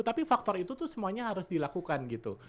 tapi faktor itu tuh semuanya harus dilakukan gitu